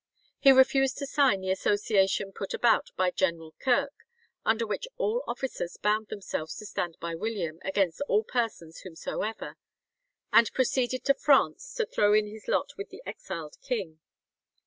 He refused to sign the "association put about by General Kirk," under which all officers bound themselves to stand by William "against all persons whomsoever," and proceeded to France to throw in his lot with the exiled king.